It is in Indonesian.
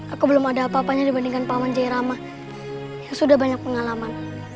aku belum ada apa apanya dibandingkan pak manjai rama yang sudah banyak pengalaman